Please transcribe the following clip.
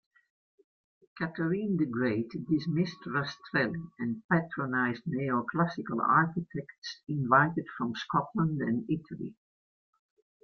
Catherine the Great dismissed Rastrelli and patronized neoclassical architects invited from Scotland and Italy.